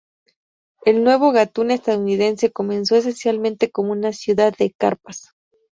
El nuevo Gatún estadounidense comenzó esencialmente como una ciudad de carpas.